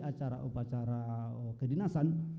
acara upacara kedinasan